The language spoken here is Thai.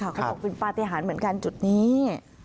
เขาบอกเป็นปฏิหารเหมือนกันจุดนี้